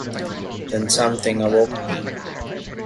Then something awoke me.